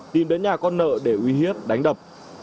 tìm đến nhà con nợ để uy hiếp đánh đập